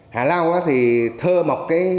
hà lao thì thơ một cái nhà trọ